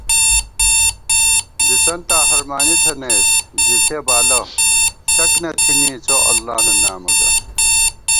دِسنتاں ہرمانی تھنَئیس ژِݪِیَہ بالہ شَک نہ تھنی څواللہ نہ نامہ گا